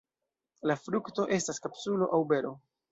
La frukto estas kapsulo aŭ bero.